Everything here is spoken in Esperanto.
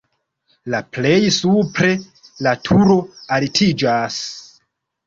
La plej supre la turo altiĝas.